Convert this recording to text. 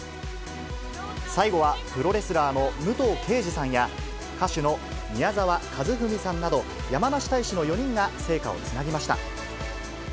最後はプロレスラーの武藤敬司さんや、歌手の宮沢和史さんなど、やまなし大使の４人が聖火をつなぎました。